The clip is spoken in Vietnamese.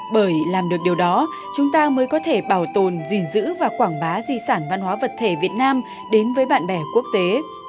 bởi làm được điều đó chúng ta mới có thể bảo tồn gìn giữ và quảng bá di sản văn hóa vật thể việt nam đến với bạn bè quốc tế